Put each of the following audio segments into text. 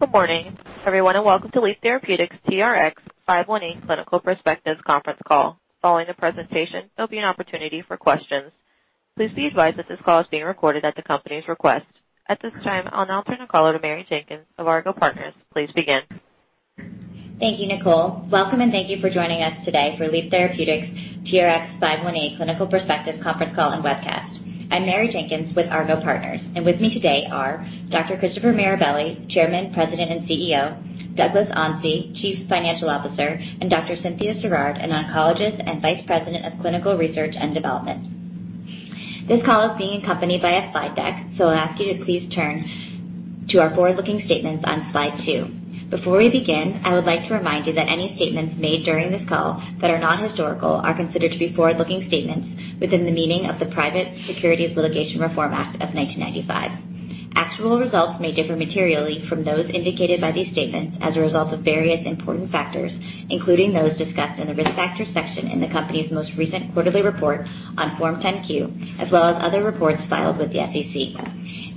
Good morning, everyone, and welcome to Leap Therapeutics TRX518 Clinical Perspectives conference call. Following the presentation, there'll be an opportunity for questions. Please be advised that this call is being recorded at the company's request. At this time, I'll now turn the call over to Mary Jenkins of Argot Partners. Please begin. Thank you, Nicole. Welcome, and thank you for joining us today for Leap Therapeutics TRX518 Clinical Perspectives conference call and webcast. I'm Mary Jenkins with Argot Partners. With me today are Dr. Christopher Mirabelli, Chairman, President, and CEO, Douglas Onsi, Chief Financial Officer, and Dr. Cynthia Sirard, an Oncologist and Vice President of Clinical Research and Development. This call is being accompanied by a slide deck. I'll ask you to please turn to our forward-looking statements on slide two. Before we begin, I would like to remind you that any statements made during this call that are not historical are considered to be forward-looking statements within the meaning of the Private Securities Litigation Reform Act of 1995. Actual results may differ materially from those indicated by these statements as a result of various important factors, including those discussed in the Risk Factors section in the company's most recent quarterly report on Form 10-Q, as well as other reports filed with the SEC.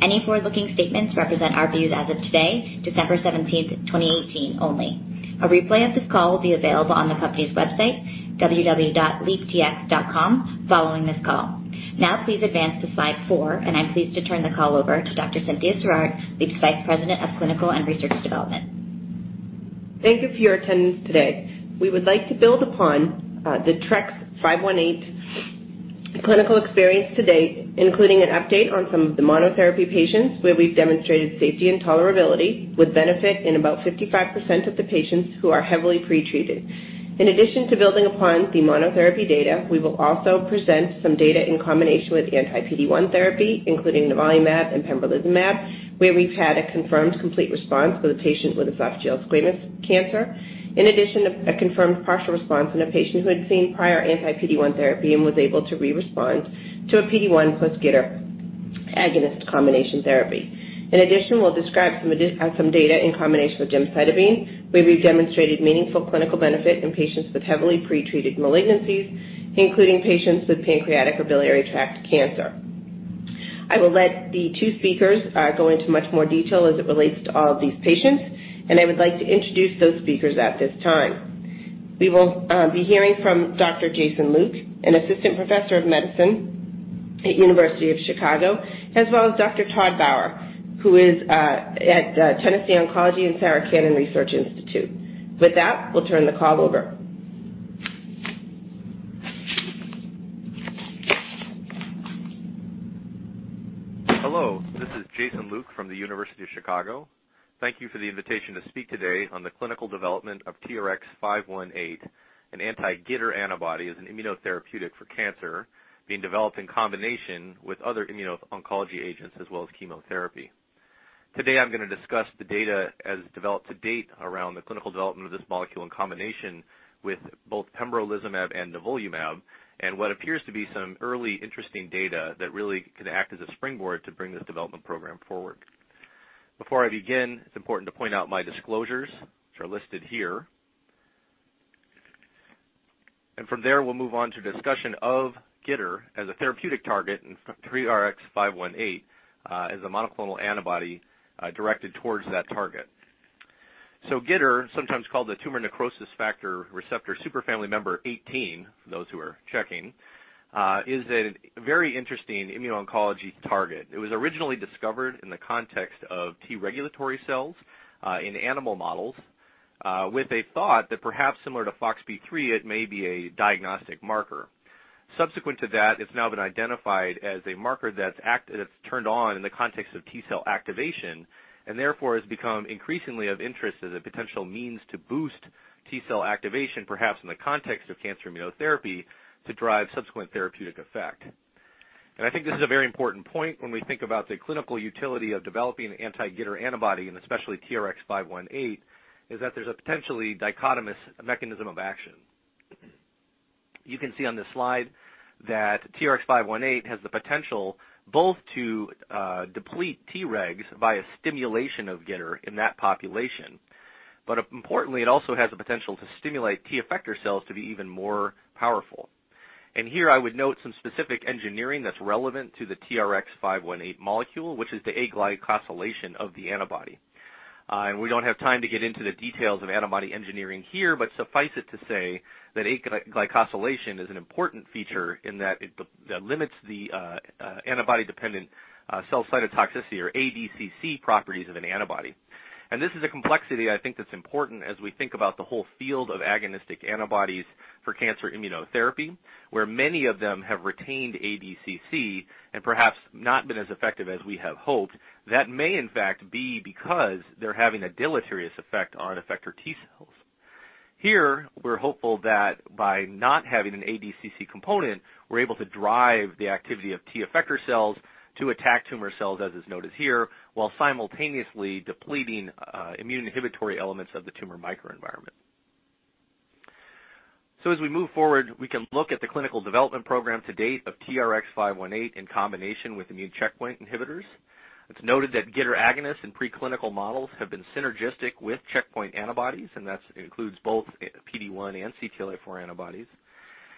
Any forward-looking statements represent our views as of today, December 17th, 2018 only. A replay of this call will be available on the company's website, www.leaptx.com, following this call. Now please advance to slide four. I'm pleased to turn the call over to Dr. Cynthia Sirard, Leap's Vice President of Clinical and Research Development. Thank you for your attendance today. We would like to build upon the TRX518 clinical experience to date, including an update on some of the monotherapy patients where we've demonstrated safety and tolerability with benefit in about 55% of the patients who are heavily pre-treated. In addition to building upon the monotherapy data, we will also present some data in combination with anti-PD-1 therapy, including nivolumab and pembrolizumab, where we've had a confirmed complete response with a patient with esophageal squamous cancer. In addition, a confirmed partial response in a patient who had seen prior anti-PD-1 therapy and was able to re-respond to a PD-1 plus GITR agonist combination therapy. In addition, we'll describe some data in combination with gemcitabine, where we've demonstrated meaningful clinical benefit in patients with heavily pre-treated malignancies, including patients with pancreatic or biliary tract cancer. I will let the two speakers go into much more detail as it relates to all of these patients, and I would like to introduce those speakers at this time. We will be hearing from Dr. Jason Luke, an assistant professor of medicine at University of Chicago, as well as Dr. Todd Bauer, who is at Tennessee Oncology and Sarah Cannon Research Institute. With that, we'll turn the call over. Hello, this is Jason Luke from the University of Chicago. Thank you for the invitation to speak today on the clinical development of TRX518, an anti-GITR antibody as an immunotherapeutic for cancer being developed in combination with other immuno-oncology agents as well as chemotherapy. Today, I'm going to discuss the data as developed to date around the clinical development of this molecule in combination with both pembrolizumab and nivolumab and what appears to be some early interesting data that really could act as a springboard to bring this development program forward. Before I begin, it's important to point out my disclosures, which are listed here. From there, we'll move on to discussion of GITR as a therapeutic target and TRX518 as a monoclonal antibody directed towards that target. GITR, sometimes called the tumor necrosis factor receptor superfamily member 18, for those who are checking, is a very interesting immuno-oncology target. It was originally discovered in the context of T-regulatory cells, in animal models, with a thought that perhaps similar to FOXP3, it may be a diagnostic marker. Subsequent to that, it's now been identified as a marker that's turned on in the context of T-cell activation and therefore has become increasingly of interest as a potential means to boost T-cell activation, perhaps in the context of cancer immunotherapy to drive subsequent therapeutic effect. I think this is a very important point when we think about the clinical utility of developing an anti-GITR antibody, and especially TRX518, is that there's a potentially dichotomous mechanism of action. You can see on this slide that TRX518 has the potential both to deplete Tregs via stimulation of GITR in that population. Importantly, it also has the potential to stimulate T effector cells to be even more powerful. Here I would note some specific engineering that's relevant to the TRX518 molecule, which is the aglycosylation of the antibody. We don't have time to get into the details of antibody engineering here, but suffice it to say that aglycosylation is an important feature in that it limits the antibody-dependent cell cytotoxicity, or ADCC, properties of an antibody. This is a complexity I think that's important as we think about the whole field of agonistic antibodies for cancer immunotherapy, where many of them have retained ADCC and perhaps not been as effective as we have hoped. That may, in fact, be because they're having a deleterious effect on effector T cells. Here, we're hopeful that by not having an ADCC component, we're able to drive the activity of T effector cells to attack tumor cells, as is noted here, while simultaneously depleting immune inhibitory elements of the tumor microenvironment. As we move forward, we can look at the clinical development program to-date of TRX518 in combination with immune checkpoint inhibitors. It's noted that GITR agonists in pre-clinical models have been synergistic with checkpoint antibodies, and that includes both PD-1 and CTLA-4 antibodies.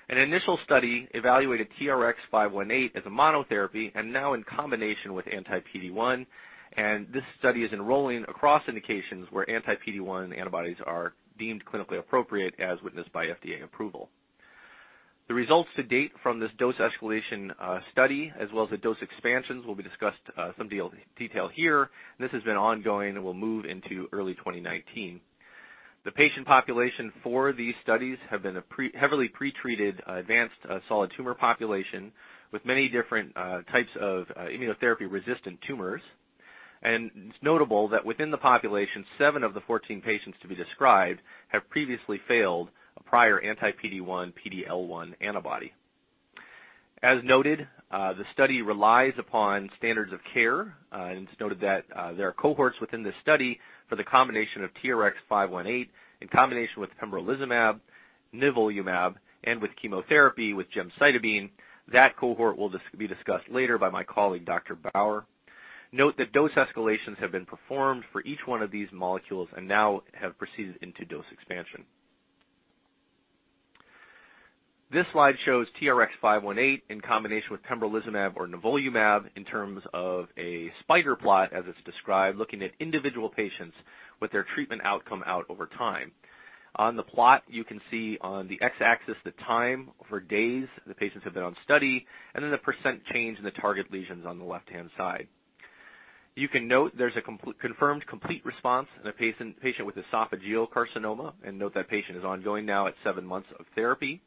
An initial study evaluated TRX518 as a monotherapy and now in combination with anti-PD-1, and this study is enrolling across indications where anti-PD-1 antibodies are deemed clinically appropriate as witnessed by FDA approval. The results to date from this dose escalation study, as well as the dose expansions, will be discussed some detail here, and this has been ongoing and will move into early 2019. The patient population for these studies have been a heavily pre-treated advanced solid tumor population with many different types of immunotherapy-resistant tumors. It's notable that within the population, seven of the 14 patients to be described have previously failed a prior anti-PD-1, PD-L1 antibody. As noted, the study relies upon standards of care, and it's noted that there are cohorts within this study for the combination of TRX518 in combination with pembrolizumab, nivolumab, and with chemotherapy with gemcitabine. That cohort will be discussed later by my colleague, Dr. Bauer. Note that dose escalations have been performed for each one of these molecules and now have proceeded into dose expansion. This slide shows TRX518 in combination with pembrolizumab or nivolumab in terms of a spider plot, as it's described, looking at individual patients with their treatment outcome out over time. On the plot, you can see on the X-axis the time for days the patients have been on study, and then the percent change in the target lesions on the left-hand side. You can note there's a confirmed complete response in a patient with esophageal carcinoma, and note that patient is ongoing now at seven months of therapy.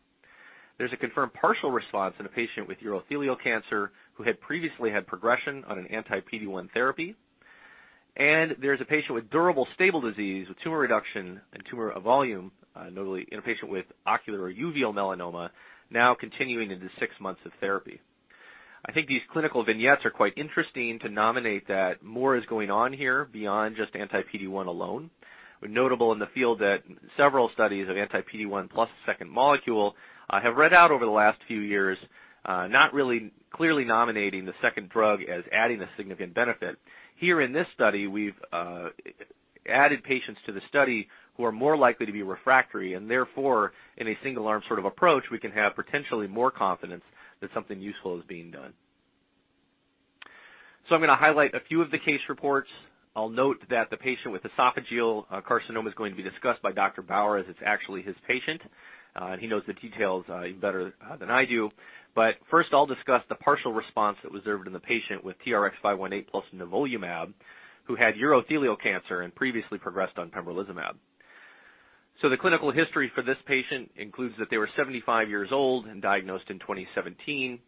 There's a confirmed partial response in a patient with urothelial cancer who had previously had progression on an anti-PD-1 therapy. There's a patient with durable stable disease with tumor reduction and tumor volume, notably in a patient with ocular uveal melanoma, now continuing into six months of therapy. I think these clinical vignettes are quite interesting to nominate that more is going on here beyond just anti-PD-1 alone. Notable in the field that several studies of anti-PD-1 plus a second molecule have read out over the last few years not really clearly nominating the second drug as adding a significant benefit. Here in this study, we've added patients to the study who are more likely to be refractory, and therefore, in a single arm sort of approach, we can have potentially more confidence that something useful is being done. I'm going to highlight a few of the case reports. I'll note that the patient with esophageal carcinoma is going to be discussed by Dr. Bauer, as it's actually his patient, and he knows the details even better than I do. I'll discuss the partial response that was observed in the patient with TRX518+ nivolumab who had urothelial cancer and previously progressed on pembrolizumab. The clinical history for this patient includes that they were 75 years old and diagnosed in 2017.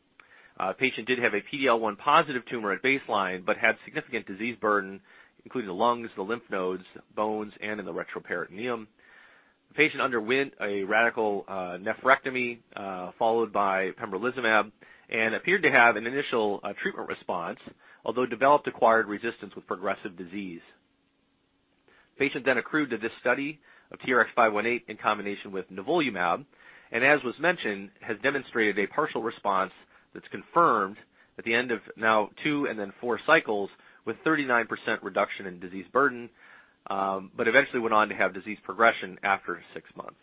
Patient did have a PD-L1 positive tumor at baseline but had significant disease burden, including the lungs, the lymph nodes, bones, and in the retroperitoneum. The patient underwent a radical nephrectomy, followed by pembrolizumab and appeared to have an initial treatment response, although developed acquired resistance with progressive disease. Patient accrued to this study of TRX518 in combination with nivolumab, and as was mentioned, has demonstrated a partial response that's confirmed at the end of now two and then four cycles with 39% reduction in disease burden, but eventually went on to have disease progression after six months.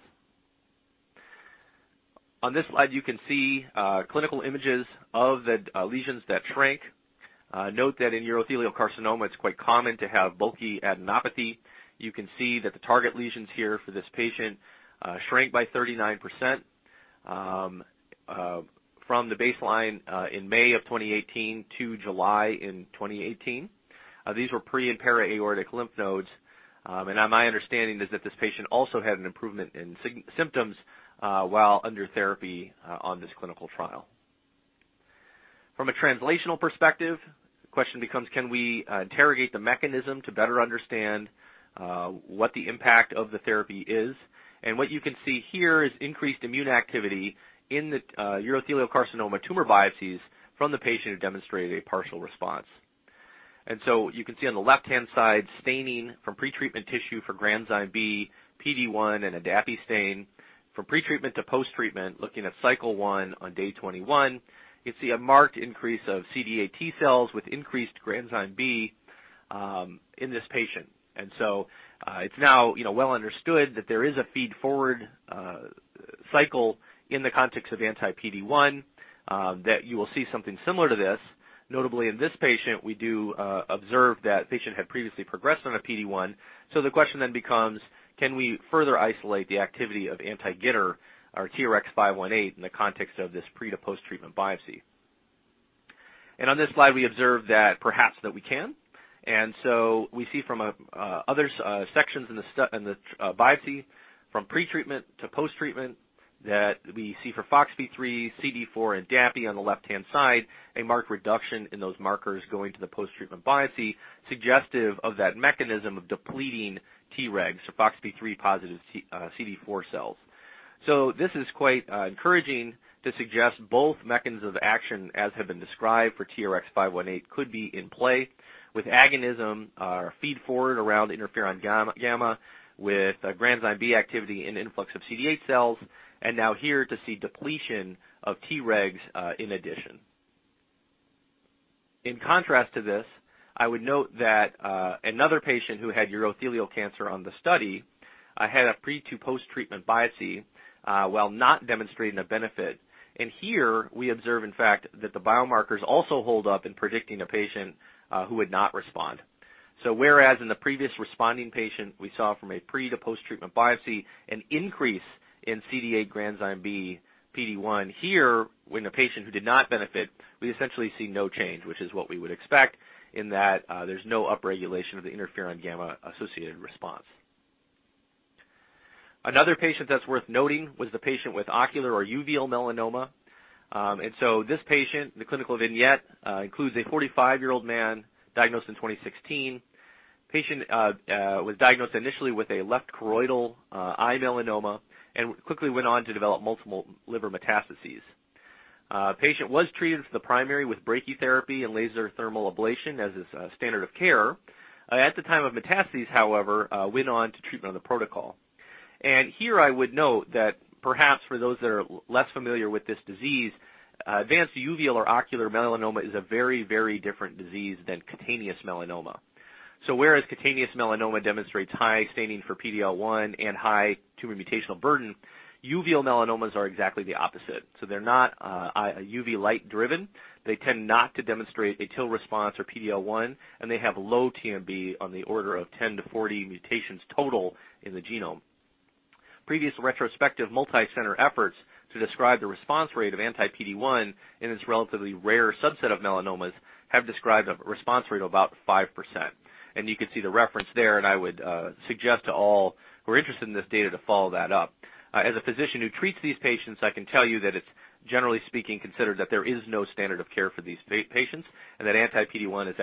On this slide, you can see clinical images of the lesions that shrank. Note that in urothelial carcinoma, it's quite common to have bulky adenopathy. You can see that the target lesions here for this patient shrank by 39% from the baseline in May of 2018 to July in 2018. These were pre and para-aortic lymph nodes. My understanding is that this patient also had an improvement in symptoms while under therapy on this clinical trial. From a translational perspective, the question becomes can we interrogate the mechanism to better understand what the impact of the therapy is? What you can see here is increased immune activity in the urothelial carcinoma tumor biopsies from the patient who demonstrated a partial response. You can see on the left-hand side, staining from pretreatment tissue for granzyme B, PD-1, and a DAPI stain. From pretreatment to post-treatment, looking at cycle one on day 21, you can see a marked increase of CD8 T-cells with increased granzyme B in this patient. It's now well understood that there is a feed-forward cycle in the context of anti-PD-1 that you will see something similar to this. Notably, in this patient, we do observe that patient had previously progressed on a PD-1. The question then becomes, can we further isolate the activity of anti-GITR or TRX518 in the context of this pre to post-treatment biopsy? On this slide, we observe that perhaps that we can. We see from other sections in the biopsy from pretreatment to post-treatment that we see for FOXP3, CD4, and DAPI on the left-hand side, a marked reduction in those markers going to the post-treatment biopsy suggestive of that mechanism of depleting Tregs, so FOXP3+ CD4 cells. This is quite encouraging to suggest both mechanisms of action as have been described for TRX518 could be in play with agonism or feed forward around interferon gamma with granzyme B activity and influx of CD8 cells, and now here to see depletion of Tregs in addition. In contrast to this, I would note that another patient who had urothelial cancer on the study had a pre to post-treatment biopsy while not demonstrating a benefit. Here we observe, in fact, that the biomarkers also hold up in predicting a patient who would not respond. Whereas in the previous responding patient, we saw from a pre to post-treatment biopsy an increase in CD8 granzyme B PD-1, here, in the patient who did not benefit, we essentially see no change. Which is what we would expect, in that there's no upregulation of the interferon gamma-associated response. Another patient that's worth noting was the patient with ocular or uveal melanoma. This patient, the clinical vignette includes a 45-year-old man diagnosed in 2016. Patient was diagnosed initially with a left choroidal eye melanoma and quickly went on to develop multiple liver metastases. Patient was treated for the primary with brachytherapy and laser thermal ablation as is standard of care. At the time of metastases, however, went on to treatment on the protocol. Here I would note that perhaps for those that are less familiar with this disease, advanced uveal or ocular melanoma is a very different disease than cutaneous melanoma. Whereas cutaneous melanoma demonstrates high staining for PD-L1 and high tumor mutational burden, uveal melanomas are exactly the opposite. They're not UV light driven, they tend not to demonstrate a TIL response or PD-L1, and they have low TMB on the order of 10 to 40 mutations total in the genome. Previous retrospective multi-center efforts to describe the response rate of anti-PD-1 in this relatively rare subset of melanomas have described a response rate of about 5%. You can see the reference there, and I would suggest to all who are interested in this data to follow that up. As a physician who treats these patients, I can tell you that it's, generally speaking, considered that there is no standard of care for these patients and that anti-PD-1 as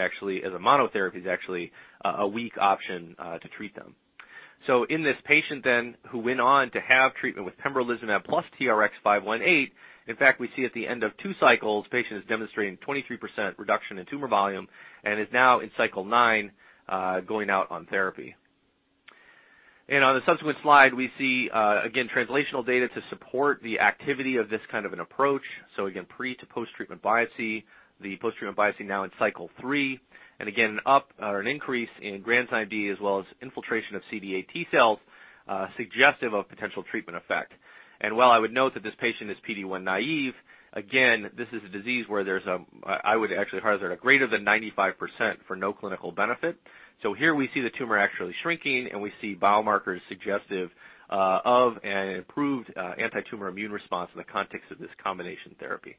a monotherapy, is actually a weak option to treat them. In this patient then, who went on to have treatment with pembrolizumab plus TRX518, in fact, we see at the end of two cycles, patient is demonstrating 23% reduction in tumor volume and is now in cycle nine going out on therapy. On the subsequent slide, we see, again, translational data to support the activity of this kind of an approach. Again, pre to post-treatment biopsy. The post-treatment biopsy now in cycle three. Again, an increase in granzyme B as well as infiltration of CD8 T cells suggestive of potential treatment effect. While I would note that this patient is PD-1 naive, again, this is a disease where there's a, I would actually hazard a greater than 95% for no clinical benefit. Here we see the tumor actually shrinking, and we see biomarkers suggestive of an improved anti-tumor immune response in the context of this combination therapy.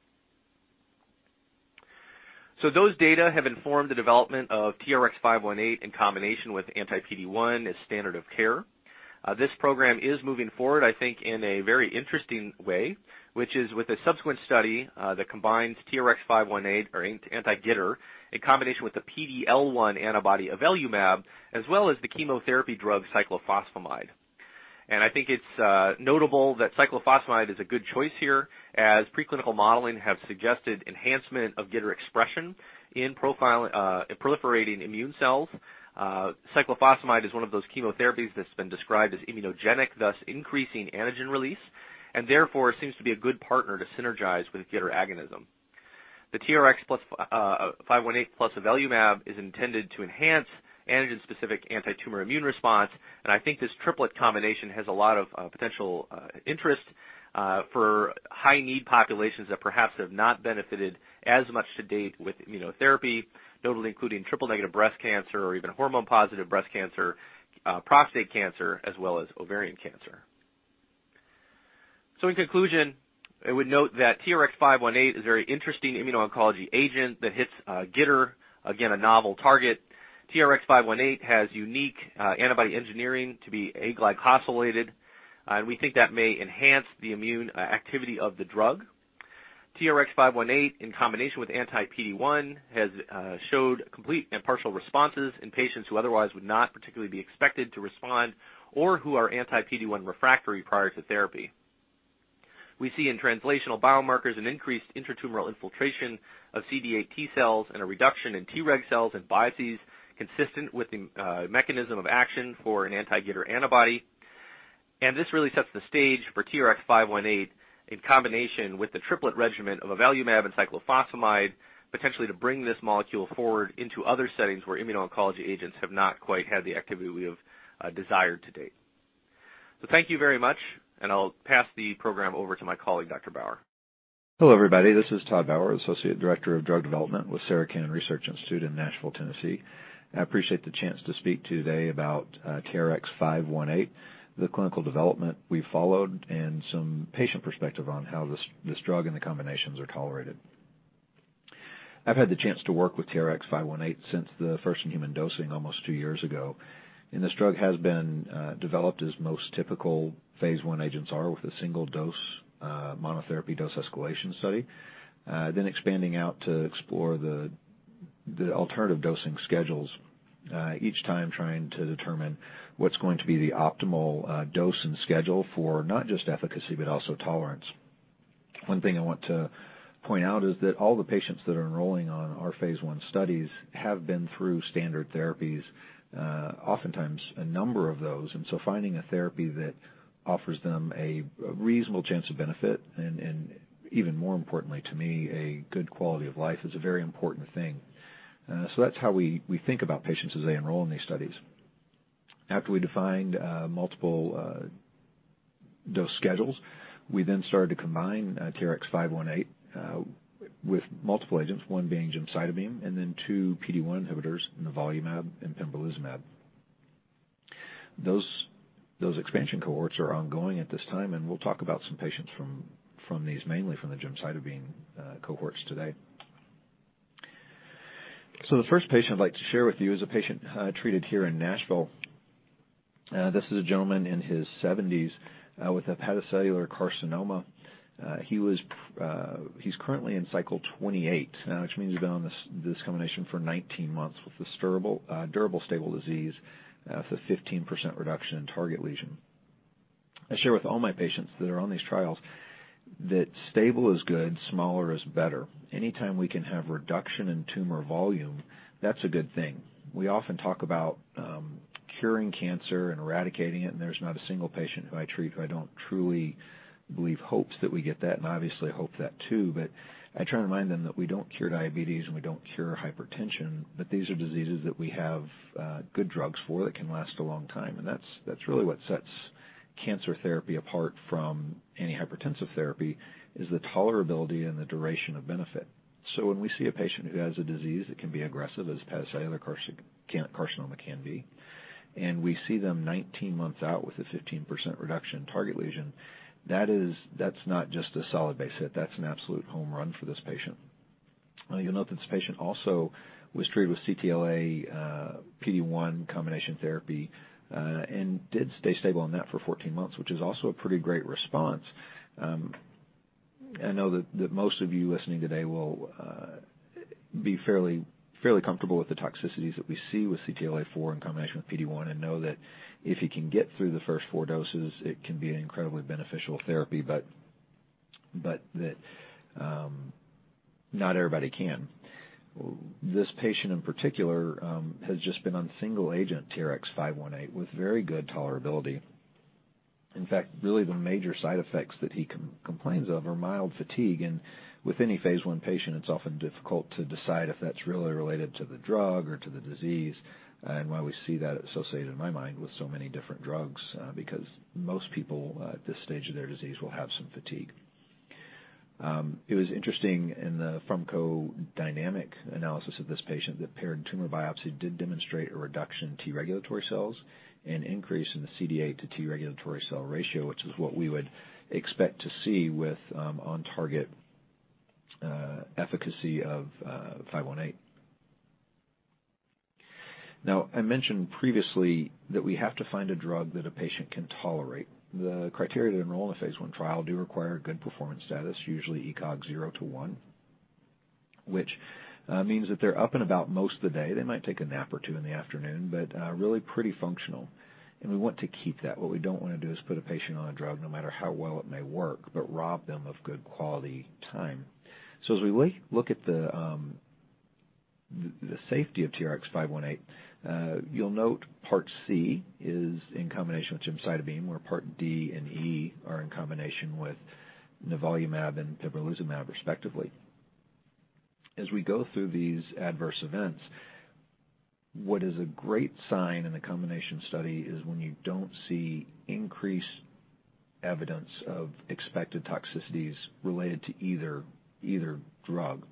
Those data have informed the development of TRX518 in combination with anti-PD-1 as standard of care. This program is moving forward, I think, in a very interesting way, which is with a subsequent study that combines TRX518 or anti-GITR in combination with the PD-L1 antibody avelumab, as well as the chemotherapy drug cyclophosphamide. I think it's notable that cyclophosphamide is a good choice here as pre-clinical modeling has suggested enhancement of GITR expression in proliferating immune cells. Cyclophosphamide is one of those chemotherapies that's been described as immunogenic, thus increasing antigen release, and therefore seems to be a good partner to synergize with GITR agonism. The TRX518+ avelumab is intended to enhance antigen-specific anti-tumor immune response, and I think this triplet combination has a lot of potential interest for high-need populations that perhaps have not benefited as much to date with immunotherapy, notably including triple-negative breast cancer or even hormone-positive breast cancer, prostate cancer, as well as ovarian cancer. In conclusion, I would note that TRX518 is a very interesting immuno-oncology agent that hits GITR. Again, a novel target. TRX518 has unique antibody engineering to be aglycosylated, and we think that may enhance the immune activity of the drug. TRX518 in combination with anti-PD-1 has showed complete and partial responses in patients who otherwise would not particularly be expected to respond or who are anti-PD-1 refractory prior to therapy. We see in translational biomarkers an increased intratumoral infiltration of CD8 T cells and a reduction in Tregs and biopsies consistent with the mechanism of action for an anti-GITR antibody. This really sets the stage for TRX518 in combination with the triplet regimen of avelumab and cyclophosphamide, potentially to bring this molecule forward into other settings where immuno-oncology agents have not quite had the activity we have desired to-date. Thank you very much, and I'll pass the program over to my colleague, Dr. Bauer. Hello, everybody. This is Todd Bauer, Associate Director of Drug Development with Sarah Cannon Research Institute in Nashville, Tennessee. I appreciate the chance to speak today about TRX518, the clinical development we followed, and some patient perspective on how this drug and the combinations are tolerated. I've had the chance to work with TRX518 since the first-in-human dosing almost two years ago, and this drug has been developed as most typical phase I agents are with a single dose monotherapy dose escalation study. Then expanding out to explore the alternative dosing schedules. Each time trying to determine what's going to be the optimal dose and schedule for not just efficacy, but also tolerance. One thing I want to point out is that all the patients that are enrolling on our phase I studies have been through standard therapies, oftentimes a number of those. Finding a therapy that offers them a reasonable chance of benefit and even more importantly to me, a good quality of life, is a very important thing. That's how we think about patients as they enroll in these studies. After we defined multiple dose schedules, we then started to combine TRX518 with multiple agents, one being gemcitabine and then two PD-1 inhibitors, nivolumab and pembrolizumab. Those expansion cohorts are ongoing at this time, and we'll talk about some patients from these, mainly from the gemcitabine cohorts today. The first patient I'd like to share with you is a patient treated here in Nashville. This is a gentleman in his 70s with hepatocellular carcinoma. He's currently in cycle 28, which means he's been on this combination for 19 months with this durable stable disease with a 15% reduction in target lesion. I share with all my patients that are on these trials that stable is good, smaller is better. Anytime we can have reduction in tumor volume, that's a good thing. We often talk about curing cancer and eradicating it, and there's not a single patient who I treat who I don't truly believe hopes that we get that, and obviously I hope that too. I try to remind them that we don't cure diabetes, and we don't cure hypertension, but these are diseases that we have good drugs for that can last a long time. That's really what sets cancer therapy apart from any hypertensive therapy is the tolerability and the duration of benefit. When we see a patient who has a disease that can be aggressive as hepatocellular carcinoma can be, and we see them 19 months out with a 15% reduction in target lesion, that's not just a solid base hit. That's an absolute home run for this patient. You'll note that this patient also was treated with CTLA-PD-1 combination therapy and did stay stable on that for 14 months, which is also a pretty great response. I know that most of you listening today will be fairly comfortable with the toxicities that we see with CTLA-4 in combination with PD-1 and know that if you can get through the first four doses, it can be an incredibly beneficial therapy. That not everybody can. This patient, in particular, has just been on single agent TRX518 with very good tolerability. In fact, really the major side effects that he complains of are mild fatigue. With any phase I patient, it's often difficult to decide if that's really related to the drug or to the disease. Why we see that associated, in my mind, with so many different drugs because most people at this stage of their disease will have some fatigue. It was interesting in the pharmacodynamic analysis of this patient that paired tumor biopsy did demonstrate a reduction in T regulatory cells, an increase in the CD8 to T regulatory cell ratio, which is what we would expect to see with on-target efficacy of TRX518. I mentioned previously that we have to find a drug that a patient can tolerate. The criteria to enroll in a phase I trial do require good performance status, usually ECOG 0 to 1, which means that they're up and about most of the day. They might take a nap or two in the afternoon, but really pretty functional. We want to keep that. What we don't want to do is put a patient on a drug, no matter how well it may work, but rob them of good quality time. As we look at the safety of TRX518, you'll note Part C is in combination with gemcitabine, where Part D and E are in combination with nivolumab and pembrolizumab, respectively. As we go through these adverse events, what is a great sign in a combination study is when you don't see increased evidence of expected toxicities related to either drug.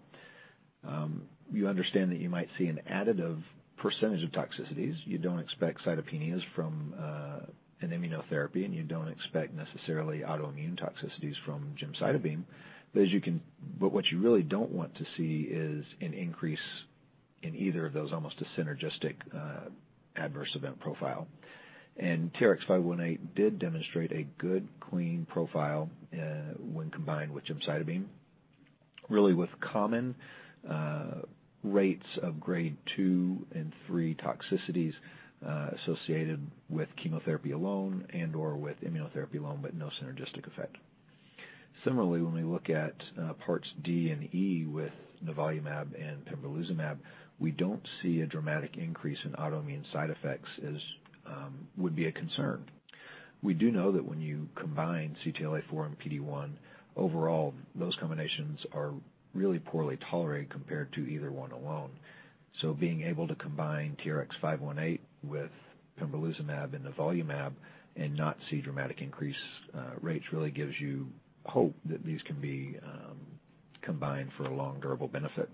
You understand that you might see an additive percentage of toxicities. You don't expect cytopenias from an immunotherapy, and you don't expect necessarily autoimmune toxicities from gemcitabine. What you really don't want to see is an increase in either of those, almost a synergistic adverse event profile. TRX518 did demonstrate a good, clean profile when combined with gemcitabine, really with common rates of Grade 2 and 3 toxicities associated with chemotherapy alone and/or with immunotherapy alone, but no synergistic effect. Similarly, when we look at Parts D and E with nivolumab and pembrolizumab, we don't see a dramatic increase in autoimmune side effects as would be a concern. We do know that when you combine CTLA-4 and PD-1, overall, those combinations are really poorly tolerated compared to either one alone. Being able to combine TRX518 with pembrolizumab and nivolumab and not see dramatic increase rates really gives you hope that these can be combined for a long durable benefit.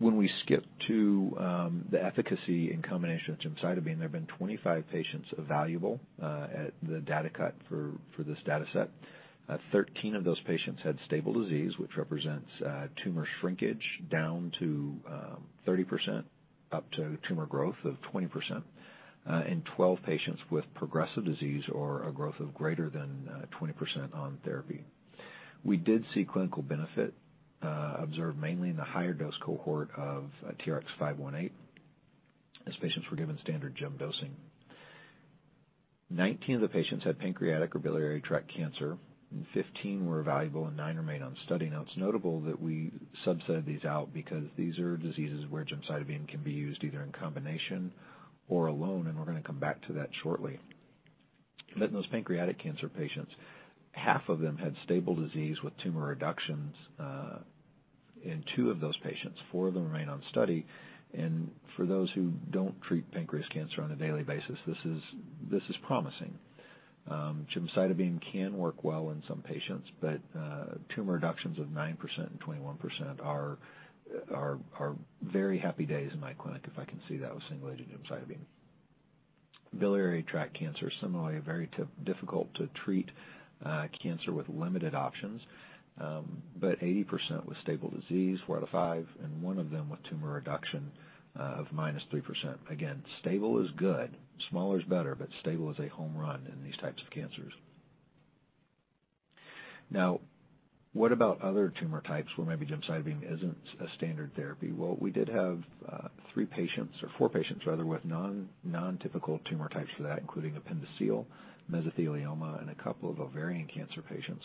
When we skip to the efficacy in combination with gemcitabine, there have been 25 patients evaluable at the data cut for this data set. 13 of those patients had stable disease, which represents tumor shrinkage down to 30% up to tumor growth of 20%, and 12 patients with progressive disease or a growth of greater than 20% on therapy. We did see clinical benefit observed mainly in the higher dose cohort of TRX518 as patients were given standard gem dosing. 19 of the patients had pancreatic or biliary tract cancer, and 15 were evaluable and nine remain on study. It's notable that we subsetted these out because these are diseases where gemcitabine can be used either in combination or alone, and we're going to come back to that shortly. In those pancreatic cancer patients, half of them had stable disease with tumor reductions in two of those patients. Four of them remain on study. For those who don't treat pancreas cancer on a daily basis, this is promising. Gemcitabine can work well in some patients, but tumor reductions of 9% and 21% are very happy days in my clinic, if I can see that with single-agent gemcitabine. Biliary tract cancer, similarly, a very difficult to treat cancer with limited options. 80% with stable disease, four out of five, and one of them with tumor reduction of -3%. Again, stable is good. Smaller is better, but stable is a home run in these types of cancers. What about other tumor types where maybe gemcitabine isn't a standard therapy? We did have three patients, or four patients rather, with non-typical tumor types for that, including appendiceal, mesothelioma, and a couple of ovarian cancer patients,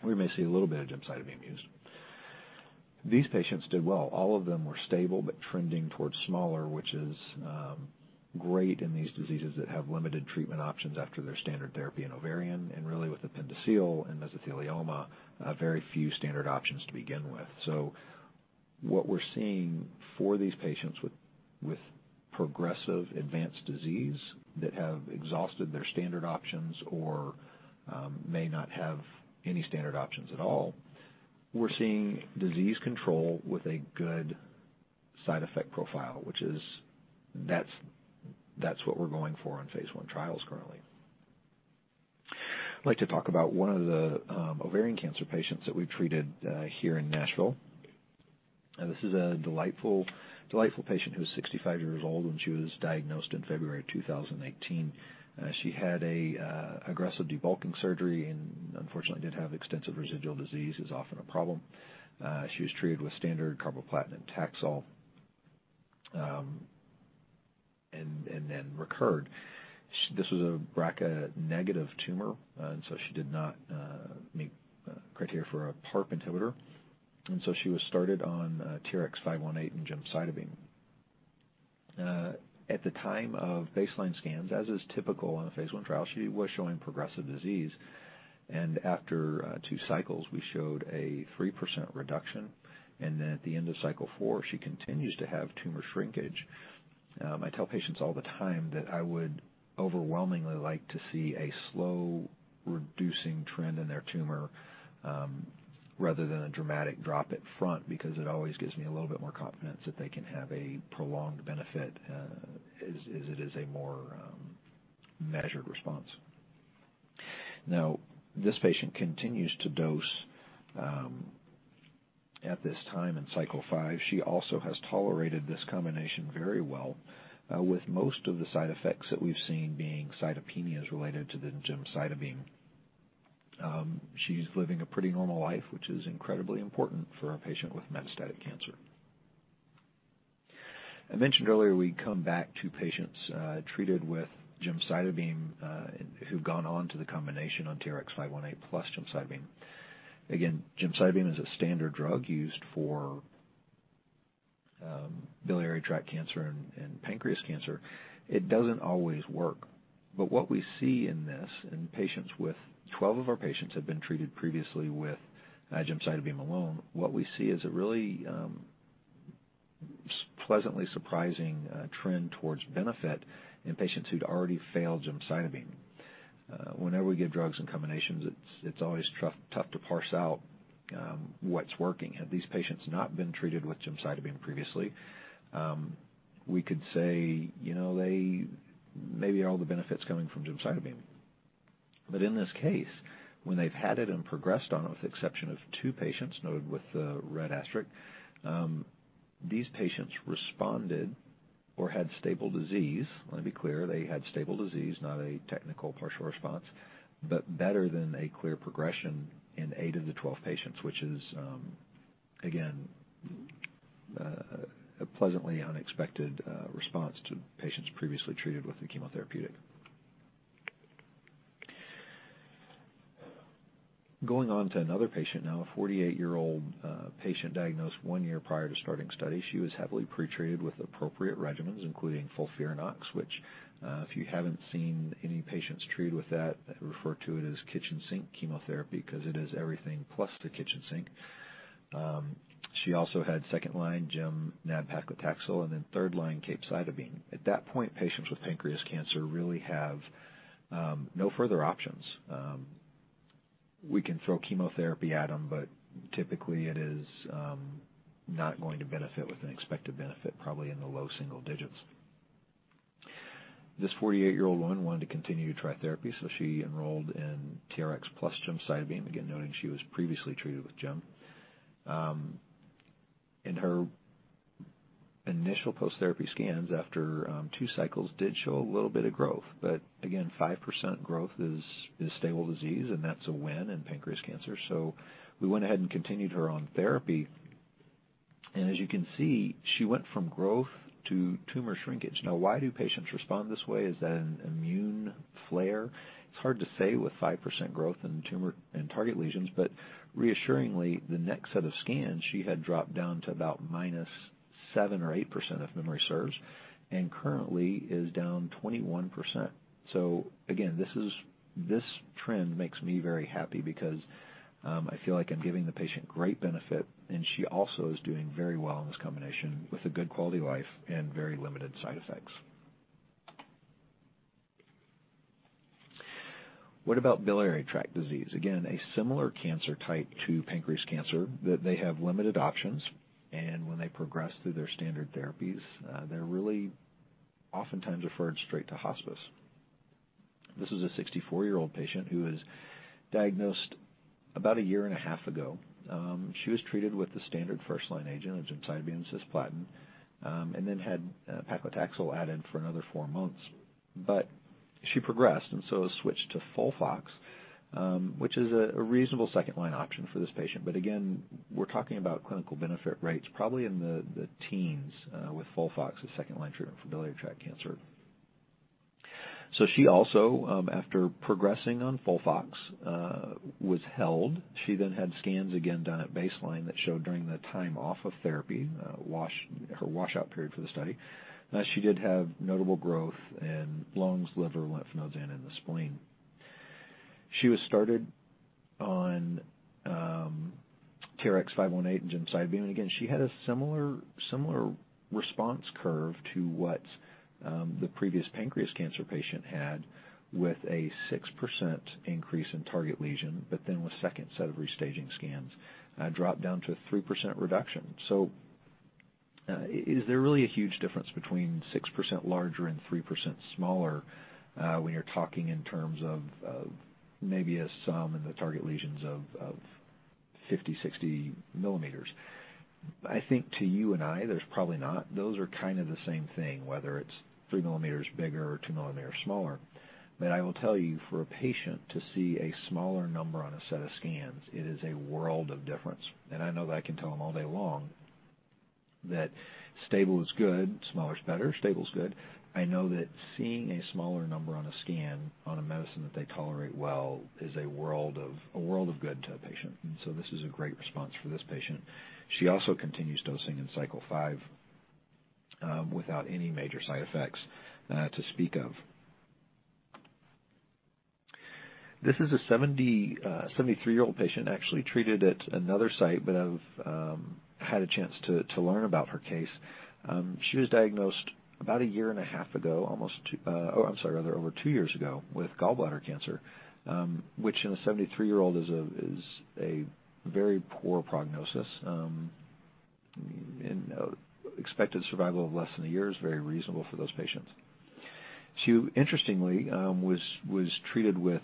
where we may see a little bit of gemcitabine used. These patients did well. All of them were stable but trending towards smaller, which is great in these diseases that have limited treatment options after their standard therapy in ovarian, and really with appendiceal and mesothelioma, very few standard options to begin with. What we're seeing for these patients with progressive advanced disease that have exhausted their standard options or may not have any standard options at all, we're seeing disease control with a good side effect profile. Which is what we're going for in phase I trials currently. I'd like to talk about one of the ovarian cancer patients that we've treated here in Nashville. This is a delightful patient who was 65 years old when she was diagnosed in February of 2018. She had an aggressive debulking surgery and unfortunately did have extensive residual disease, is often a problem. She was treated with standard carboplatin and Taxol and then recurred. This was a BRCA-negative tumor, and so she did not meet criteria for a PARP inhibitor. She was started on TRX518 and gemcitabine. At the time of baseline scans, as is typical in a phase I trial, she was showing progressive disease. After two cycles, we showed a 3% reduction. At the end of cycle four, she continues to have tumor shrinkage. I tell patients all the time that I would overwhelmingly like to see a slow reducing trend in their tumor, rather than a dramatic drop at front, because it always gives me a little bit more confidence that they can have a prolonged benefit as it is a more measured response. Now, this patient continues to dose at this time in cycle five. She also has tolerated this combination very well, with most of the side effects that we've seen being cytopenias related to the gemcitabine. She's living a pretty normal life, which is incredibly important for a patient with metastatic cancer. I mentioned earlier we'd come back to patients treated with gemcitabine who've gone on to the combination on TRX518+ gemcitabine. Gemcitabine is a standard drug used for biliary tract cancer and pancreas cancer. It doesn't always work. What we see in this, 12 of our patients have been treated previously with gemcitabine alone. What we see is a really pleasantly surprising trend towards benefit in patients who'd already failed gemcitabine. Whenever we give drugs in combinations, it's always tough to parse out what's working. Had these patients not been treated with gemcitabine previously, we could say, maybe all the benefit's coming from gemcitabine. In this case, when they've had it and progressed on it, with the exception of two patients noted with a red asterisk, these patients responded or had stable disease. Let me be clear, they had stable disease, not a technical partial response, but better than a clear progression in eight of the 12 patients, which is, again, a pleasantly unexpected response to patients previously treated with the chemotherapeutic. Going on to another patient now, a 48-year-old patient diagnosed one year prior to starting study. She was heavily pre-treated with appropriate regimens, including FOLFIRINOX, which, if you haven't seen any patients treated with that, I refer to it as kitchen sink chemotherapy because it is everything plus the kitchen sink. She also had second-line gem, nab-paclitaxel, and then third-line capecitabine. At that point, patients with pancreas cancer really have no further options. We can throw chemotherapy at them, but typically it is not going to benefit with an expected benefit probably in the low single digits. This 48-year-old woman wanted to continue to try therapy, so she enrolled in TRX plus gemcitabine, again noting she was previously treated with gem. Her initial post-therapy scans after two cycles did show a little bit of growth. Again, 5% growth is stable disease, and that's a win in pancreas cancer. We went ahead and continued her on therapy. As you can see, she went from growth to tumor shrinkage. Now why do patients respond this way? Is that an immune flare? It's hard to say with 5% growth in target lesions, but reassuringly, the next set of scans, she had dropped down to about minus 7% or 8%, if memory serves, and currently is down 21%. Again, this trend makes me very happy because I feel like I'm giving the patient great benefit, and she also is doing very well on this combination with a good quality of life and very limited side effects. What about biliary tract disease? Again, a similar cancer type to pancreas cancer, that they have limited options, and when they progress through their standard therapies, they're really oftentimes referred straight to hospice. This is a 64-year-old patient who was diagnosed about a 1.5 year ago. She was treated with the standard first-line agent, gemcitabine and cisplatin, and then had paclitaxel added for another four months. She progressed, and so was switched to FOLFOX, which is a reasonable second-line option for this patient. Again, we're talking about clinical benefit rates probably in the teens with FOLFOX as second-line treatment for biliary tract cancer. She also, after progressing on FOLFOX, was held. She then had scans again done at baseline that showed during the time off of therapy, her washout period for the study, that she did have notable growth in lungs, liver, lymph nodes, and in the spleen. She was started on TRX518 and gemcitabine. Again, she had a similar response curve to what the previous pancreas cancer patient had with a 6% increase in target lesion, but then with second set of restaging scans dropped down to 3% reduction. Is there really a huge difference between 6% larger and 3% smaller when you're talking in terms of maybe a sum in the target lesions of 50 mm, 60 mm. I think to you and I, there's probably not. Those are kind of the same thing, whether it's three millimeters bigger or 2 mm smaller. I will tell you, for a patient to see a smaller number on a set of scans, it is a world of difference. I know that I can tell them all day long that stable is good. Smaller is better. Stable is good. I know that seeing a smaller number on a scan on a medicine that they tolerate well is a world of good to a patient. This is a great response for this patient. She also continues dosing in cycle five without any major side effects to speak of. This is a 73-year-old patient actually treated at another site, but I've had a chance to learn about her case. She was diagnosed about a year and a half ago over two years ago with gallbladder cancer, which in a 73-year-old is a very poor prognosis. Expected survival of less than a year is very reasonable for those patients. She interestingly was treated with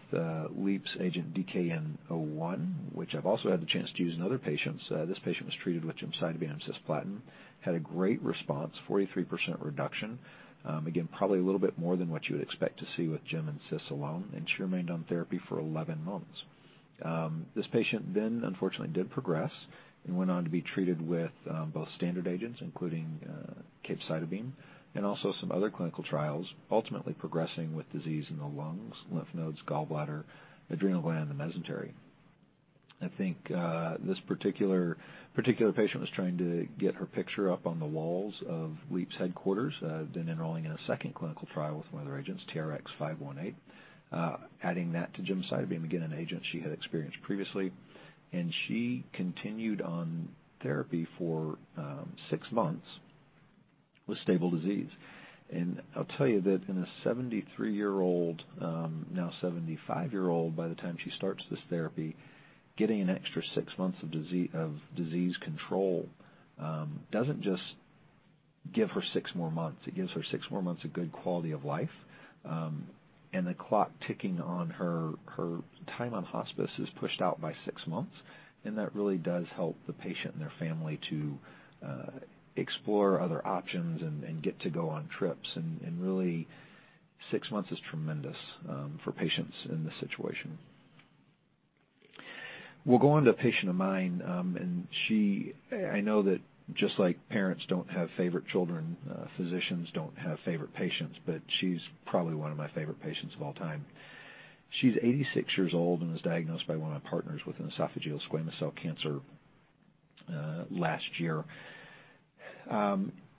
Leap's agent DKN-01, which I've also had the chance to use in other patients. This patient was treated with gemcitabine and cisplatin, had a great response, 43% reduction. Probably a little bit more than what you would expect to see with gem and cis alone, she remained on therapy for 11 months. This patient, unfortunately, did progress and went on to be treated with both standard agents, including capecitabine and also some other clinical trials, ultimately progressing with disease in the lungs, lymph nodes, gallbladder, adrenal gland, and the mesentery. I think this particular patient was trying to get her picture up on the walls of Leap's headquarters, enrolling in a second clinical trial with one of their agents, TRX518. Adding that to gemcitabine, again, an agent she had experienced previously. She continued on therapy for six months with stable disease. I'll tell you that in a 73-year-old, now 75-year-old by the time she starts this therapy, getting an extra six months of disease control doesn't just give her six more months. It gives her six more months of good quality of life. The clock ticking on her time on hospice is pushed out by six months, that really does help the patient and their family to explore other options and get to go on trips. Really, six months is tremendous for patients in this situation. We'll go on to a patient of mine, I know that just like parents don't have favorite children, physicians don't have favorite patients, but she's probably one of my favorite patients of all time. She's 86 years old and was diagnosed by one of my partners with an esophageal squamous cell cancer last year.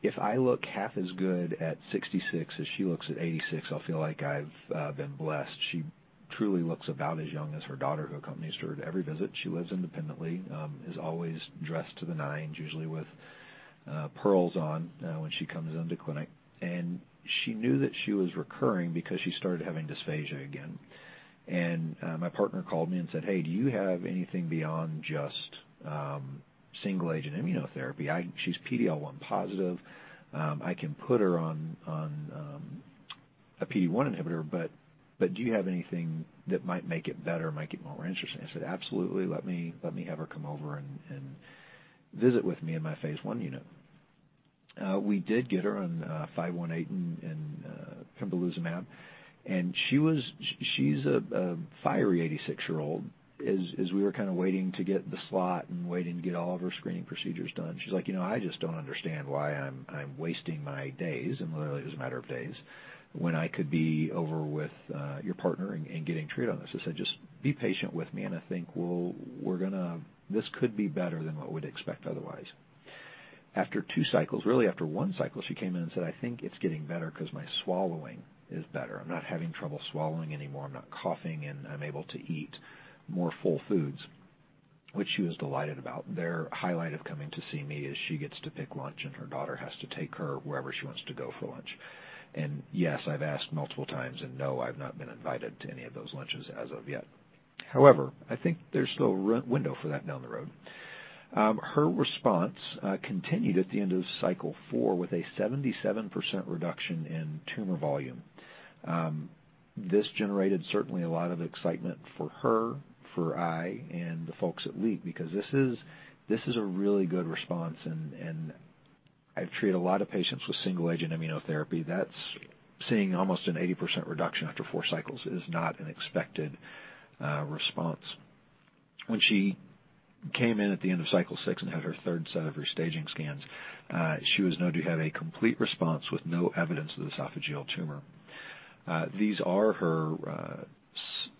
If I look half as good at 66 as she looks at 86, I'll feel like I've been blessed. She truly looks about as young as her daughter, who accompanies her to every visit. She lives independently, is always dressed to the nines, usually with pearls on when she comes into clinic. She knew that she was recurring because she started having dysphagia again. My partner called me and said, "Hey, do you have anything beyond just single-agent immunotherapy? She's PD-L1 positive. I can put her on a PD-1 inhibitor, but do you have anything that might make it better, might get more interesting?" I said, "Absolutely. Let me have her come over and visit with me in my phase I unit." We did get her on TRX518 and pembrolizumab, she's a fiery 86-year-old. We were waiting to get the slot and waiting to get all of her screening procedures done, she's like, "I just don't understand why I'm wasting my days," literally it was a matter of days, "when I could be over with your partner and getting treated on this." I said, "Just be patient with me, I think this could be better than what we'd expect otherwise." After two cycles, really after one cycle, she came in and said, "I think it's getting better because my swallowing is better. I'm not having trouble swallowing anymore. I'm not coughing, I'm able to eat more full foods," which she was delighted about. Their highlight of coming to see me is she gets to pick lunch, her daughter has to take her wherever she wants to go for lunch. Yes, I've asked multiple times, and no, I've not been invited to any of those lunches as of yet. However, I think there's still a window for that down the road. Her response continued at the end of cycle four with a 77% reduction in tumor volume. This generated certainly a lot of excitement for her, for I, and the folks at Leap because this is a really good response. I've treated a lot of patients with single-agent immunotherapy. That's seeing almost an 80% reduction after four cycles is not an expected response. When she came in at the end of cycle six and had her third set of her staging scans, she was known to have a complete response with no evidence of the esophageal tumor. These are her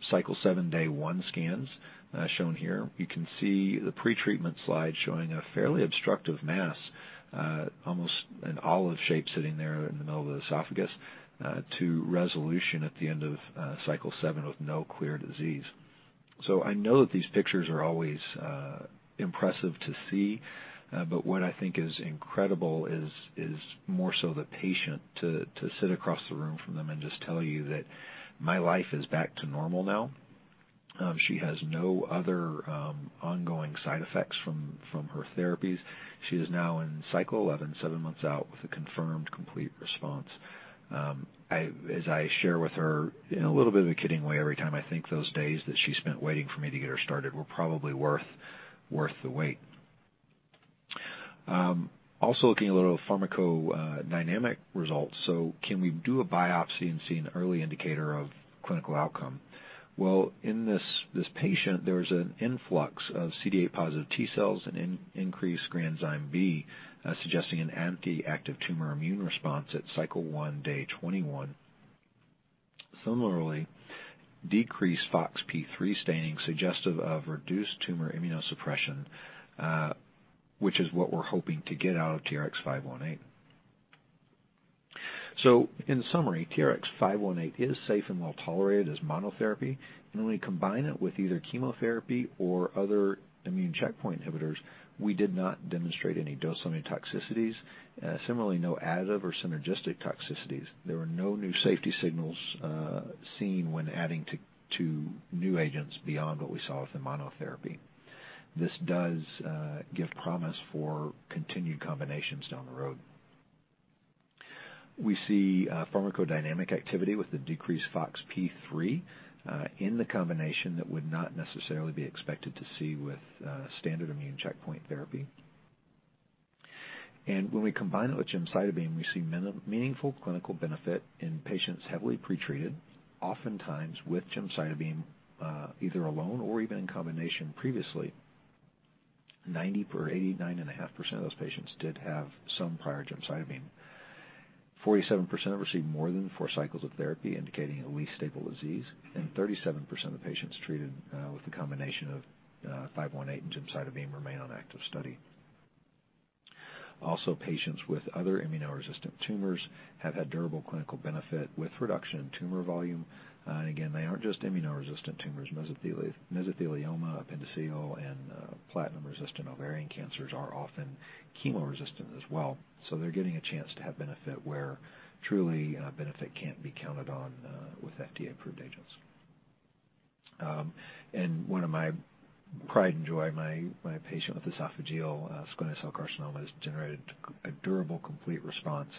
cycle seven, day one scans shown here. You can see the pre-treatment slide showing a fairly obstructive mass, almost an olive shape sitting there in the middle of the esophagus to resolution at the end of cycle seven with no clear disease. I know that these pictures are always impressive to see, but what I think is incredible is more so the patient to sit across the room from them and just tell you that, "My life is back to normal now." She has no other ongoing side effects from her therapies. She is now in cycle 11, seven months out, with a confirmed complete response. As I share with her, in a little bit of a kidding way every time, I think those days that she spent waiting for me to get her started were probably worth the wait. Also looking a little at pharmacodynamic results. Can we do a biopsy and see an early indicator of clinical outcome? Well, in this patient, there was an influx of CD8-positive T-cells and increased granzyme B, suggesting an anti-active tumor immune response at cycle one, day 21. Similarly, decreased FOXP3 staining suggestive of reduced tumor immunosuppression, which is what we're hoping to get out of TRX518. In summary, TRX518 is safe and well-tolerated as monotherapy. When we combine it with either chemotherapy or other immune checkpoint inhibitors, we did not demonstrate any dose-limiting toxicities. Similarly, no additive or synergistic toxicities. There were no new safety signals seen when adding two new agents beyond what we saw with the monotherapy. This does give promise for continued combinations down the road. We see pharmacodynamic activity with the decreased FOXP3 in the combination that would not necessarily be expected to see with standard immune checkpoint therapy. When we combine it with gemcitabine, we see meaningful clinical benefit in patients heavily pretreated, oftentimes with gemcitabine either alone or even in combination previously. 90% or 89.5% of those patients did have some prior gemcitabine. 47% have received more than four cycles of therapy indicating a least stable disease, and 37% of the patients treated with the combination of 518 and gemcitabine remain on active study. Also, patients with other immunoresistant tumors have had durable clinical benefit with reduction in tumor volume. Again, they aren't just immunoresistant tumors. Mesothelioma, appendiceal, and platinum-resistant ovarian cancers are often chemo-resistant as well. They're getting a chance to have benefit where truly benefit can't be counted on with FDA-approved agents. One of my pride and joy, my patient with esophageal squamous cell carcinoma, has generated a durable, complete response.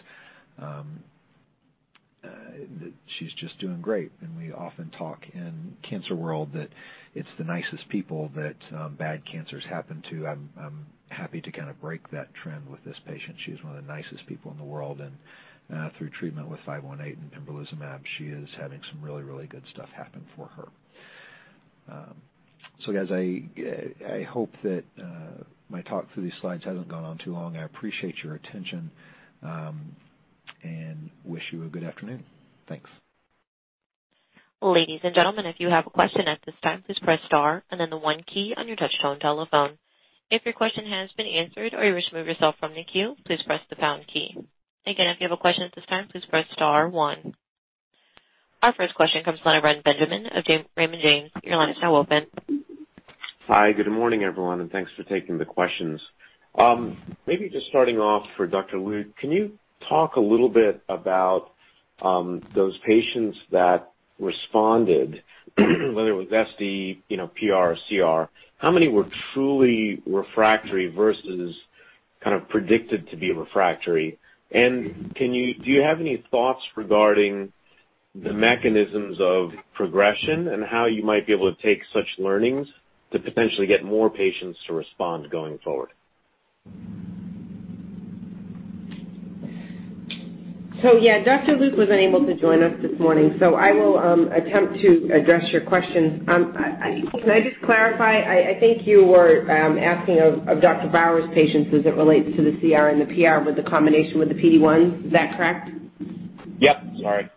She's just doing great. We often talk in cancer world that it's the nicest people that bad cancers happen to. I'm happy to break that trend with this patient. She is one of the nicest people in the world. Through treatment with TRX518 and pembrolizumab, she is having some really, really good stuff happen for her. Guys, I hope that my talk through these slides hasn't gone on too long. I appreciate your attention and wish you a good afternoon. Thanks. Ladies and gentlemen, if you have a question at this time, please press star and then the one key on your touchtone telephone. If your question has been answered or you wish to remove yourself from the queue, please press the pound key. Again, if you have a question at this time, please press star one. Our first question comes from Robert Benjamin of Raymond James. Your line is now open. Hi. Good morning, everyone, thanks for taking the questions. Maybe just starting off for Dr. Luke, can you talk a little bit about those patients that responded, whether it was SD, PR, or CR, how many were truly refractory versus predicted to be refractory? Do you have any thoughts regarding The mechanisms of progression and how you might be able to take such learnings to potentially get more patients to respond going forward. Yeah, Dr. Luke was unable to join us this morning. I will attempt to address your question. Can I just clarify? I think you were asking of Dr. Bauer's patients as it relates to the CR and the PR with the combination with the PD-1, is that correct? Yep. Sorry. Okay.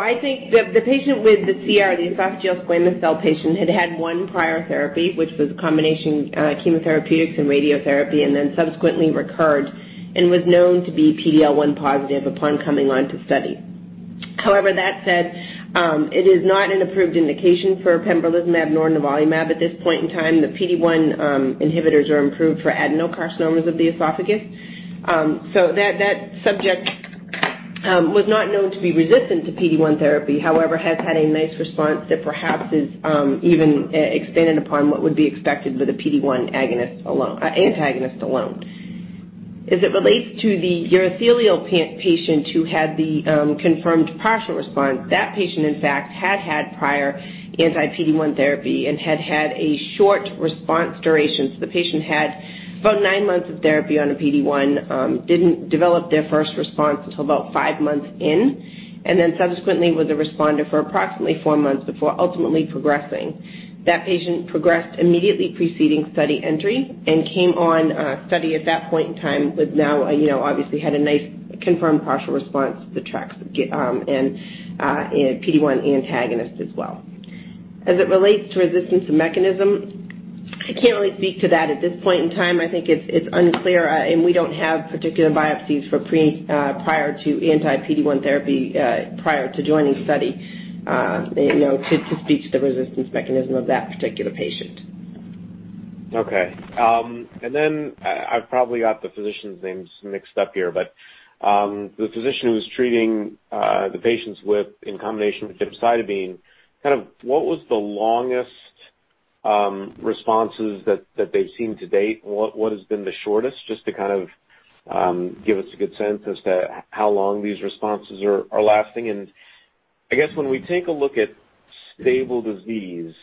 I think the patient with the CR, the esophageal squamous cell patient, had had one prior therapy, which was a combination chemotherapeutics and radiotherapy, and then subsequently recurred and was known to be PD-L1 positive upon coming onto study. That said, it is not an approved indication for pembrolizumab nor nivolumab at this point in time. The PD-1 inhibitors are approved for adenocarcinomas of the esophagus. That subject was not known to be resistant to PD-1 therapy, however, has had a nice response that perhaps is even expanded upon what would be expected with a PD-1 antagonist alone. It relates to the urothelial patient who had the confirmed partial response, that patient, in fact, had had prior anti-PD-1 therapy and had had a short response duration. The patient had about nine months of therapy on a PD-1, didn't develop their first response until about five months in. Subsequently, was a responder for approximately four months before ultimately progressing. That patient progressed immediately preceding study entry and came on study at that point in time with now, obviously, had a nice confirmed partial response to the TRX518 and PD-1 antagonist as well. It relates to resistance mechanism, I can't really speak to that at this point in time. I think it's unclear. We don't have particular biopsies for prior to anti-PD-1 therapy, prior to joining study to speak to the resistance mechanism of that particular patient. Okay. Then I've probably got the physicians' names mixed up here, but the physician who's treating the patients with in combination with gemcitabine, what was the longest responses that they've seen to date? What has been the shortest? Just to give us a good sense as to how long these responses are lasting. I guess when we take a look at stable disease,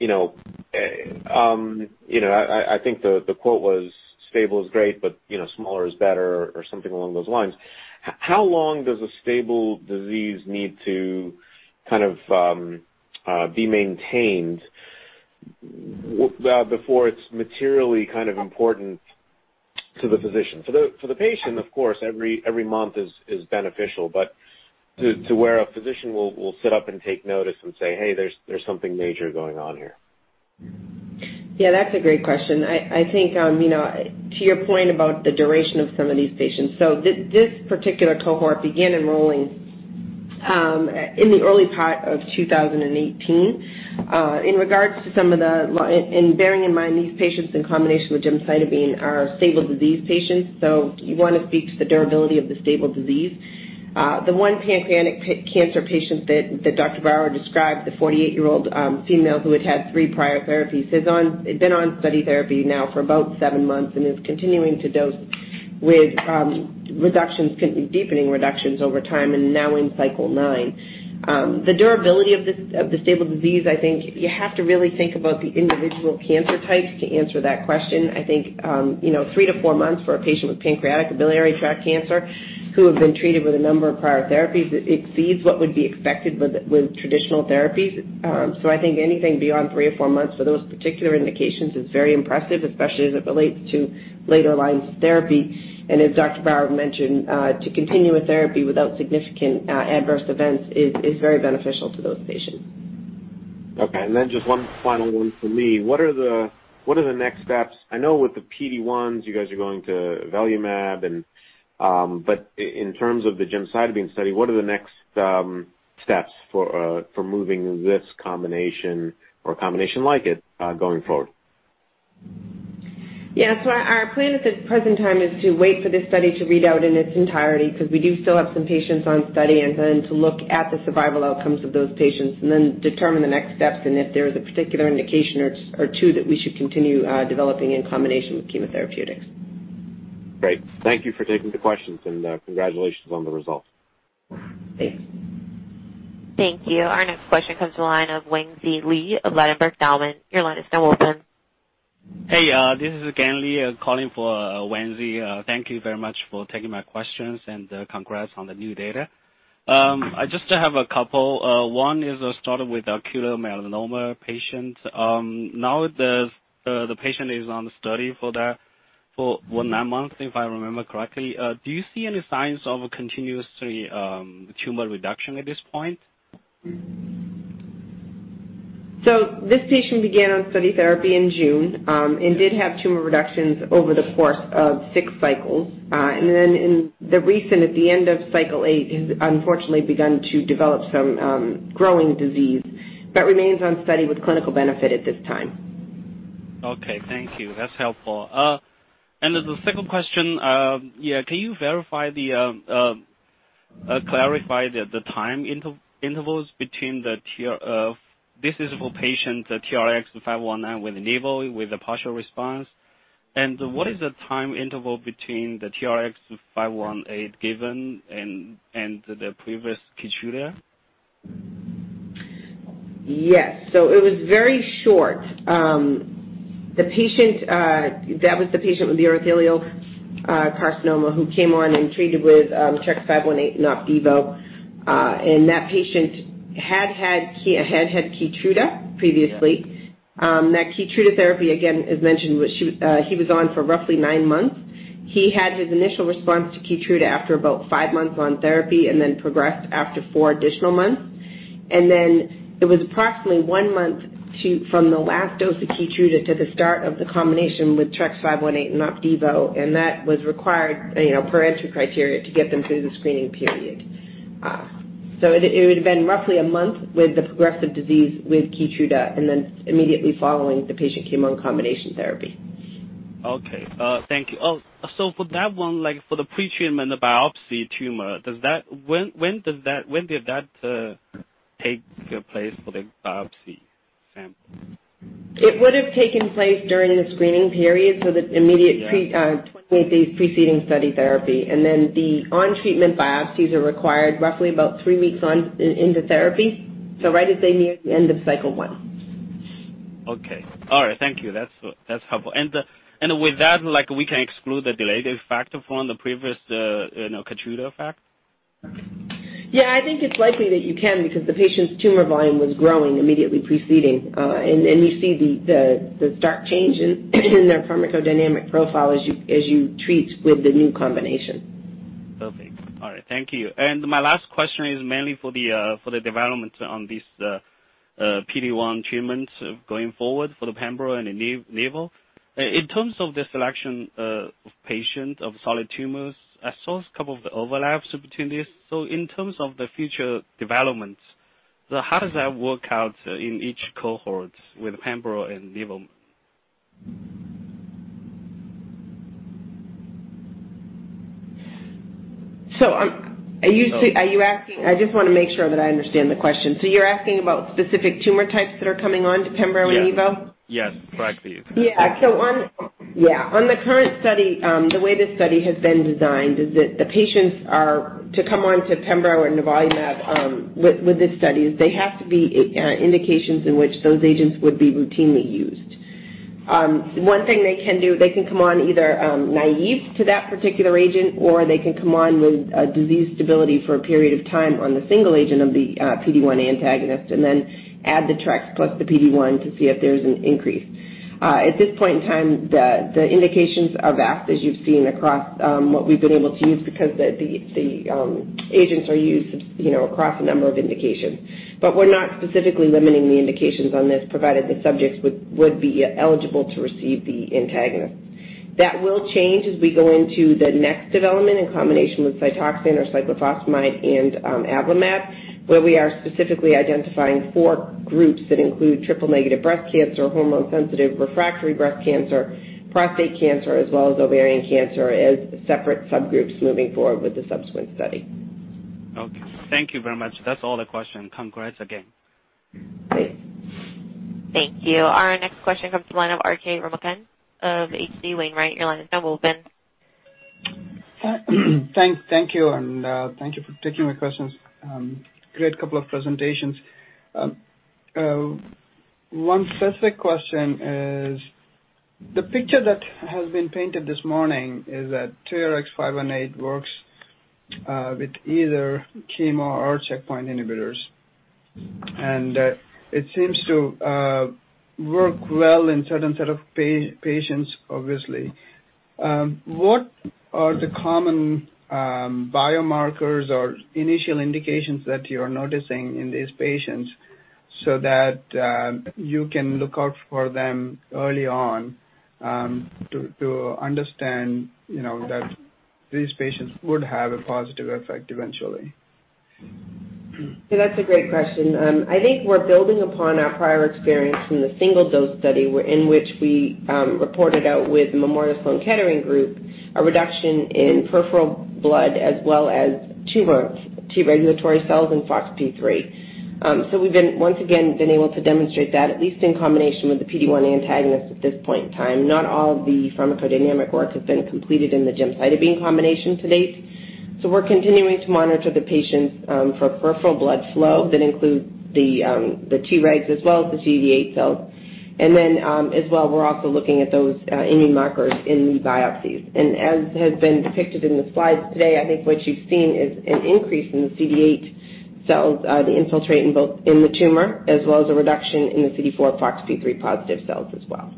I think the quote was, "Stable is great, but smaller is better," or something along those lines. How long does a stable disease need to be maintained before it's materially important to the physician? For the patient, of course, every month is beneficial, but to where a physician will sit up and take notice and say, "Hey, there's something major going on here. Yeah, that's a great question. I think to your point about the duration of some of these patients, this particular cohort began enrolling in the early part of 2018. Regarding bearing in mind these patients in combination with gemcitabine are stable disease patients, you want to speak to the durability of the stable disease. The one pancreatic cancer patient that Dr. Bauer described, the 48-year-old female who had had three prior therapies, has been on study therapy now for about seven months and is continuing to dose with deepening reductions over time, and now in cycle nine. The durability of the stable disease, I think you have to really think about the individual cancer types to answer that question. I think, three to four months for a patient with pancreatic biliary tract cancer who have been treated with a number of prior therapies, it exceeds what would be expected with traditional therapies. I think anything beyond three or four months for those particular indications is very impressive, especially as it relates to later lines therapy. As Dr. Bauer mentioned, to continue a therapy without significant adverse events is very beneficial to those patients. Okay, then just one final one for me. What are the next steps? I know with the PD-1s, you guys are going to avelumab, in terms of the gemcitabine study, what are the next steps for moving this combination or a combination like it going forward? Our plan at the present time is to wait for this study to read out in its entirety because we do still have some patients on study, then to look at the survival outcomes of those patients, then determine the next steps, and if there is a particular indication or two that we should continue developing in combination with chemotherapeutics. Great. Thank you for taking the questions, congratulations on the results. Thanks. Thank you. Our next question comes to the line of Wangzhi Li of Ladenburg Thalmann. Your line is now open. Hey, this is [Ken] Lee calling for Wangzhi. Thank you very much for taking my questions, congrats on the new data. I just have a couple. One is started with an ocular melanoma patient. Now the patient is on the study for that for one nine months, if I remember correctly. Do you see any signs of a continuously tumor reduction at this point? This patient began on study therapy in June, did have tumor reductions over the course of six cycles. At the end of cycle eight, has unfortunately begun to develop some growing disease but remains on study with clinical benefit at this time. Okay. Thank you. That's helpful. The second question, can you clarify the time intervals between this is for patients TRX-519 with nivo with a partial response. What is the time interval between the TRX518 given and the previous KEYTRUDA? Yes. It was very short. That was the patient with urothelial carcinoma who came on and treated with TRX518 and OPDIVO. That patient had had KEYTRUDA previously. Yeah. That KEYTRUDA therapy, again, as mentioned, he was on for roughly nine months. He had his initial response to KEYTRUDA after about five months on therapy and then progressed after four additional months. It was approximately one month from the last dose of KEYTRUDA to the start of the combination with TRX518 and OPDIVO, that was required per entry criteria to get them through the screening period. It would've been roughly one month with the progressive disease with KEYTRUDA, immediately following, the patient came on combination therapy. Okay. Thank you. Oh, for that one, for the pre-treatment, the biopsy tumor, when did that take place for the biopsy sample? It would've taken place during the screening period, the immediate 28 days preceding study therapy. Then the on-treatment biopsies are required roughly about three weeks into therapy. Right as they near the end of cycle one. Okay. All right. Thank you. That's helpful. With that, we can exclude the delayed factor from the previous KEYTRUDA effect? I think it's likely that you can, because the patient's tumor volume was growing immediately preceding. You see the stark change in their pharmacodynamic profile as you treat with the new combination. Perfect. All right. Thank you. My last question is mainly for the development on this PD-1 treatments going forward for the pembro and the nivo. In terms of the selection of patient of solid tumors, I saw a couple of overlaps between these. In terms of the future developments, how does that work out in each cohort with pembro and nivo? I just want to make sure that I understand the question. You're asking about specific tumor types that are coming on to pembro and nivo? Yes. Correct. These. Yeah. On the current study, the way this study has been designed is that the patients are to come on to pembro and nivolumab with the studies, they have to be indications in which those agents would be routinely used. One thing they can do, they can come on either naive to that particular agent, or they can come on with a disease stability for a period of time on the single agent of the PD-1 antagonist and then add the TRX plus the PD-1 to see if there's an increase. At this point in time, the indications are vast as you've seen across, what we've been able to use because the agents are used across a number of indications. We're not specifically limiting the indications on this provided the subjects would be eligible to receive the antagonist. That will change as we go into the next development in combination with Cytoxan or cyclophosphamide and avelumab, where we are specifically identifying four groups that include triple negative breast cancer, hormone sensitive refractory breast cancer, prostate cancer, as well as ovarian cancer, as separate subgroups moving forward with the subsequent study. Okay. Thank you very much. That's all the question. Congrats again. Thanks. Thank you. Our next question comes to the line of Swayampakula Ramakanth of HC Wainwright. Your line is now open. Thank you. Thank you for taking my questions. Great couple of presentations. One specific question is, the picture that has been painted this morning is that TRX518 works with either chemo or checkpoint inhibitors. It seems to work well in certain set of patients, obviously. What are the common biomarkers or initial indications that you are noticing in these patients so that you can look out for them early on, to understand that these patients would have a positive effect eventually? That's a great question. I think we're building upon our prior experience from the single-dose study in which we reported out with Memorial Sloan Kettering Group, a reduction in peripheral blood as well as tumor T regulatory cells and FOXP3. We've once again been able to demonstrate that, at least in combination with the PD-1 antagonist at this point in time. Not all of the pharmacodynamic work has been completed in the gemcitabine combination to date. We're continuing to monitor the patients for peripheral blood flow. That includes the Tregs as well as the CD8 cells. Then, as well, we're also looking at those immune markers in the biopsies. As has been depicted in the slides today, I think what you've seen is an increase in the CD8 cells, the infiltrate in both in the tumor as well as a reduction in the CD4 FOXP3+ cells as well.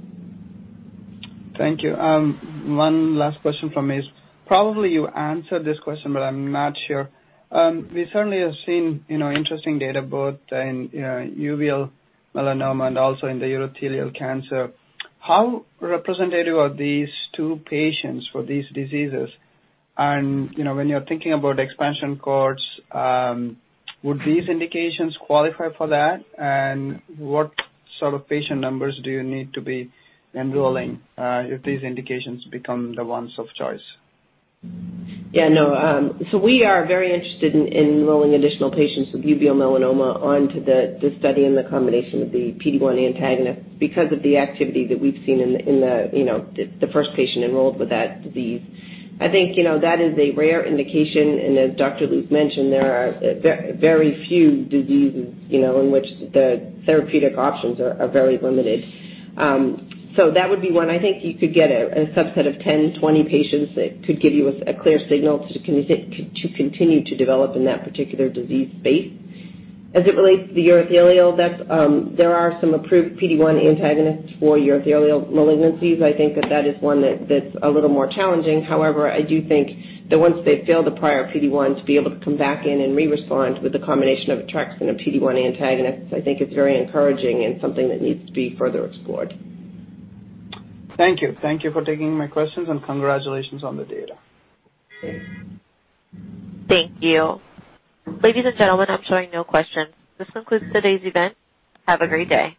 Thank you. One last question from me is, probably you answered this question, but I'm not sure. We certainly have seen interesting data both in uveal melanoma and also in the urothelial cancer. How representative are these two patients for these diseases? When you're thinking about expansion cohorts, would these indications qualify for that? What sort of patient numbers do you need to be enrolling if these indications become the ones of choice? Yeah, no. We are very interested in enrolling additional patients with uveal melanoma onto the study and the combination of the PD-1 antagonist because of the activity that we've seen in the first patient enrolled with that disease. I think that is a rare indication, and as Dr. Luke mentioned, there are very few diseases in which the therapeutic options are very limited. That would be one. I think you could get a subset of 10, 20 patients that could give you a clear signal to continue to develop in that particular disease space. As it relates to the urothelial, there are some approved PD-1 antagonists for urothelial malignancies. I think that that is one that's a little more challenging. However, I do think that once they've failed the prior PD-1, to be able to come back in and rerespond with the combination of a Tregs and a PD-1 antagonist, I think is very encouraging and something that needs to be further explored. Thank you. Thank you for taking my questions, congratulations on the data. Thanks. Thank you. Ladies and gentlemen, I'm showing no questions. This concludes today's event. Have a great day.